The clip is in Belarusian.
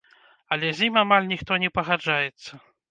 Але з ім амаль ніхто не пагаджаецца.